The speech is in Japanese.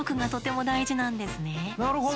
なるほど！